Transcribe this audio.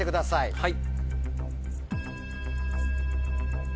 はい。